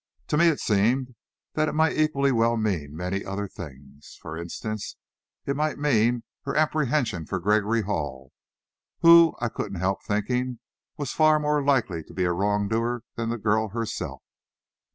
To me it seemed that it might equally well mean many other things. For instance it might mean her apprehension for Gregory Hall, who, I couldn't help thinking was far more likely to be a wrongdoer than the girl herself.